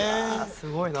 すごいな。